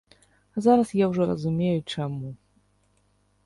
Зараз я ўжо разумею, чаму.